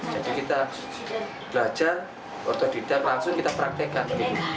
jadi kita belajar otodidak langsung kita praktekkan